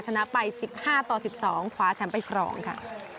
ชนะไป๑๕ต่อ๑๒คว้าแชมป์ไปครองค่ะ